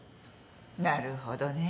なるほどね。